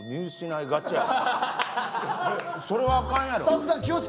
それはあかんやろ。